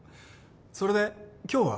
それで今日は？